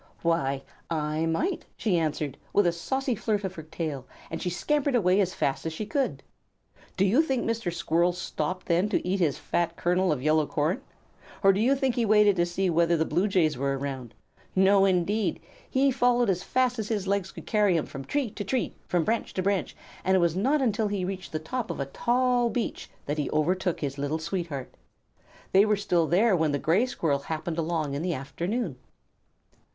"Why I might!" she answered, with a saucy flirt of her tail, and she scampered away as fast as she could. Do you think Mr. Red Squirrel stopped then to eat his fat kernel of yellow corn? Or do you think he waited to see whether the Blue Jays were around? No, indeed! He followed as fast as his legs could carry him from tree to tree, from branch to branch, and it was not until he had reached the top of a tall beech that he overtook his little sweetheart. They were still there when the Gray Squirrel happened along in the afternoon.